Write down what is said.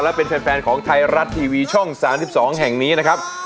และเป็นแฟนของไทยรัฐทีวีช่อง๓๒แห่งนี้นะครับ